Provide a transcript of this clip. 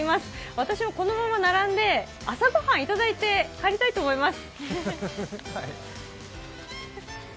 私はこのまま並んで、朝ごはんいただいて帰りたいと思います。